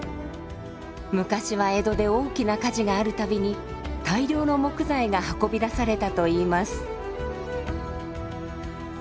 昔は江戸で大きな火事がある度に大量の木材が運び出されたといいます。